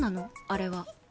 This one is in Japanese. あれは。